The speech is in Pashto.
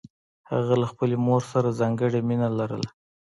هغه له خپلې مور سره ځانګړې مینه لرله